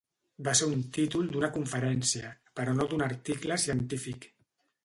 Va ser un títol d'una conferència, però no d'un article científic.